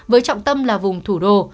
với trọng tâm là vùng thủ đô